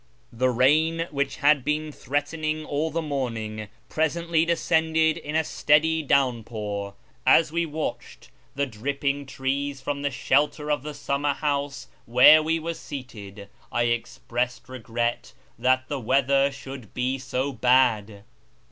The rain, which had been threatening all the morning, presently descended in a steady downpour. As we watched the dripping trees from the shelter of the summerhouse where we were seated, I expressed regret that the weather should be so bad.